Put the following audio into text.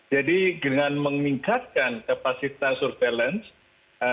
jadi dengan meningkatkan kapasitas surveillance